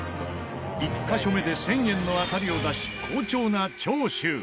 １カ所目で１０００円の当たりを出し好調な長州。